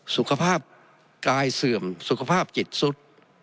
สุขภาพกายเสื่อมสุขภาพจิตสุด